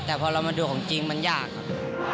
แต่พอเรามาดูของจริงมันยากครับ